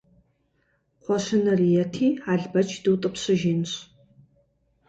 Кхъуэщыныр ети, Албэч дутӀыпщыжынщ.